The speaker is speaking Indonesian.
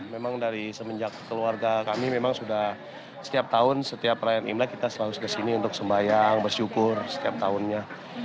memang dari semenjak keluarga kami memang sudah setiap tahun setiap perayaan imlek kita selalu kesini untuk sembayang bersyukur setiap tahunnya